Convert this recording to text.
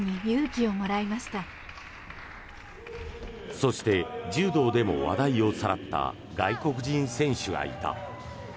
そして、柔道でも話題をさらった外国人選手がいた。